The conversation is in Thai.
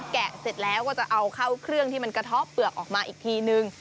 เสร็จแล้วก็จะเอาเข้าเครื่องที่มันกระเทาะเปลือกออกมาอีกทีนึง